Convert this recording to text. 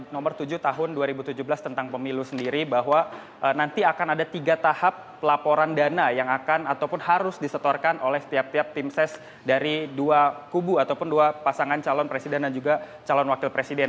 nomor tujuh tahun dua ribu tujuh belas tentang pemilu sendiri bahwa nanti akan ada tiga tahap pelaporan dana yang akan ataupun harus disetorkan oleh setiap tiap tim ses dari dua kubu ataupun dua pasangan calon presiden dan juga calon wakil presiden